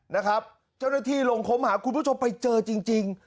นะครับเจ้าหน้าที่ลงคมหาคุณผู้ชมไปเจอจริง